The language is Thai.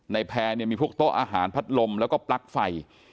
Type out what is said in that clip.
ในแพ้มีพวกโต๊ะอาหารพัดลมแล้วก็ปลั๊กไฟ